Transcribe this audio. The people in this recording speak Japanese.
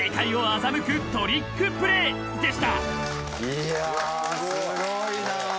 ・いやすごいな。